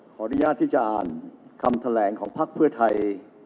ขออนุญาตที่จะอ่านคำแถลงของภักดิ์เพื่อไทย